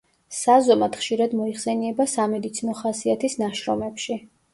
საზომად ხშირად მოიხსენიება სამედიცინო ხასიათის ნაშრომებში.